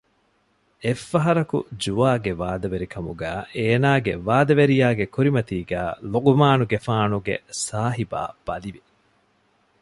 އެއްފަހަރަކު ޖުވާގެ ވާދަވެރިކަމުގައި އޭނާގެ ވާދަވެރިޔާގެ ކުރިމަތީގައި ލުޤުމާނުގެފާނުގެ ސާހިބާ ބަލިވި